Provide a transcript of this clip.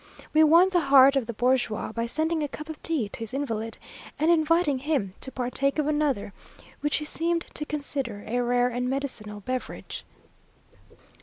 We won the heart of the bourgeois by sending a cup of tea to his invalid, and inviting him to partake of another, which he seemed to consider a rare and medicinal beverage.